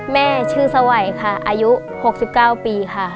แม่ชื่อสวัยค่ะอายุ๖๙ปีค่ะ